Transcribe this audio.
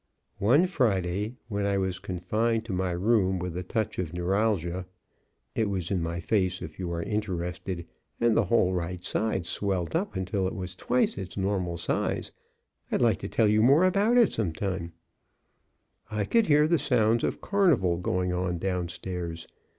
One Friday, when I was confined to my room with a touch of neuralgia (it was in my face, if you are interested, and the whole right side swelled up until it was twice its normal size I'd like to tell you more about it some time), I could hear the sounds of carnival going on downstairs.